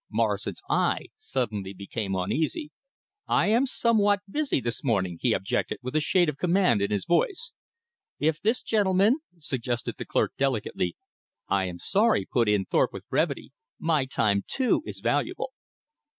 Morrison's eye suddenly became uneasy. "I am somewhat busy this morning," he objected with a shade of command in his voice. "If this gentleman ?" suggested the clerk delicately. "I am sorry," put in Thorpe with brevity, "my time, too, is valuable."